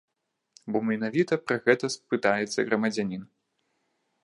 Бо менавіта пра гэта спытаецца грамадзянін.